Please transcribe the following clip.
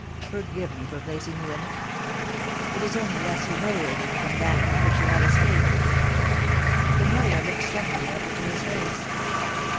Forgive me for placing you in it It is only less humiliating than that from which you have escaped* Honoria looked suddenly up into his face.